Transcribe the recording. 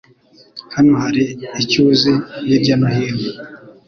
Hano hari icyuzi hirya no hino.